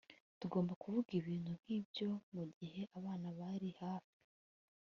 Ntugomba kuvuga ibintu nkibyo mugihe abana bari hafi